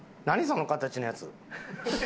その形のやつ。